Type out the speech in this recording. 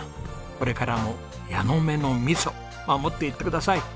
これからも矢ノ目の味噌守っていってください。